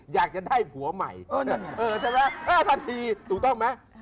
อยากจะได้ผัวใหม่ใช่ไหมทันทีถูกต้องไหม